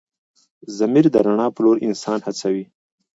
ضمیر د رڼا په لور انسان هڅوي.